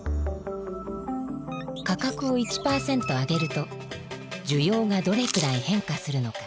価格を１％上げると需要がどれくらい変化するのか。